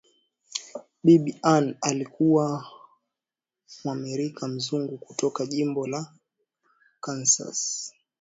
Bibi Ann alikuwa Mwamerika Mzungu kutoka jimbo la Kansas